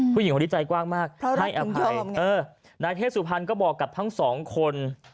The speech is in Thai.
ผู้หญิงคนนี้ใจกว้างมากให้อภัยเออนายเทศสุพรรณก็บอกกับทั้งสองคน